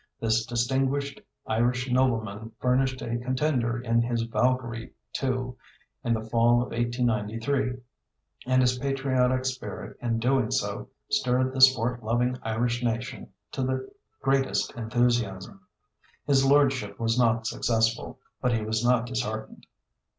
This distinguished Irish nobleman furnished a contender in his Valkyrie II. in the fall of 1893, and his patriotic spirit in doing so stirred the sport loving Irish nation to the greatest enthusiasm. His lordship was not successful, but he was not disheartened.